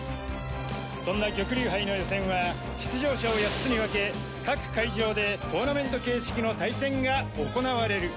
そんな玉龍杯の予選は出場者を８つに分け各会場でトーナメント形式の対戦が行われる。